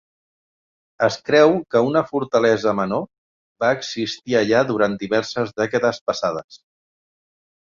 Es creu que una fortalesa menor va existir allà durant diverses dècades passades.